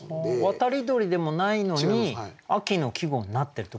渡り鳥でもないのに秋の季語になってると。